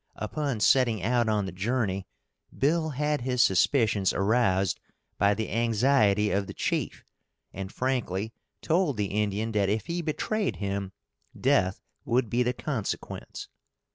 Upon setting out on the journey, Bill had his suspicions aroused by the anxiety of the chief, and frankly told the Indian that if he betrayed him death would be the consequence.